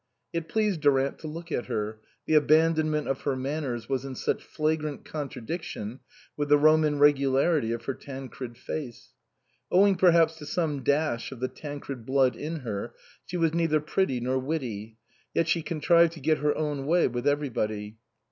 It pleased Durant to look at her, the abandonment of her manners was in such flagrant contradiction with the Roman regularity of her Tancred face. Ow ing perhaps to some dash of the Tancred blood in her, she was neither pretty nor witty ; yet she contrived to get her own way with every body.